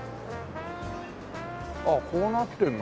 ああこうなってるの？